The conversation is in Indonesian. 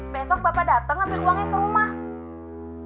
besok bapak datang ambil uangnya ke rumah